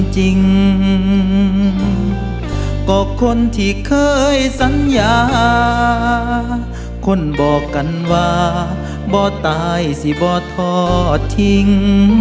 จริงก็คนที่เคยสัญญาคนบอกกันว่าบ่ตายสิบ่ทอดทิ้ง